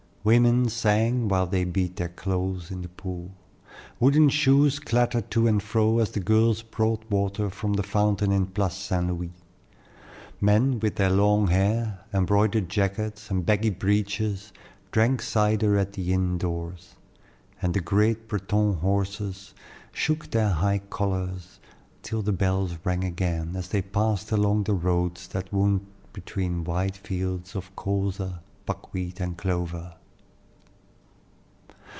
Women sang while they beat their clothes by the pool; wooden shoes clattered to and fro as the girls brought water from the fountain in Place St. Louis; men, with their long hair, embroidered jackets, and baggy breeches, drank cider at the inn doors; and the great Breton horses shook their high collars till the bells rang again, as they passed along the roads that wound between wide fields of colza, buckwheat, and clover.